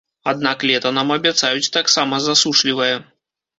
Аднак лета нам абяцаюць таксама засушлівае.